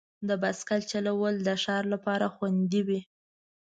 د بایسکل چلول د ښار لپاره خوندي وي.